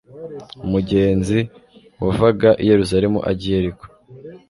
Umugenzi wavaga i Yerusalemu ajya i Yeriko,